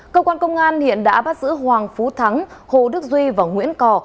cơ quan công an hiện đã bắt giữ hoàng phú thắng hồ đức duy và nguyễn cò